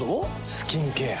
スキンケア。